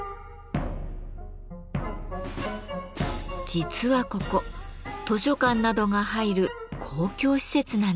実はここ図書館などが入る公共施設なんです。